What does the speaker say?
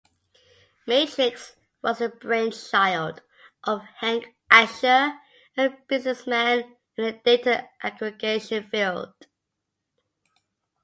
Matrix was the brainchild of Hank Asher, a businessman in the data aggregation field.